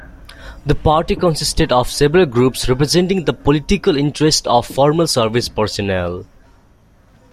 The Party consisted of several groups representing the political interests of former service personnel.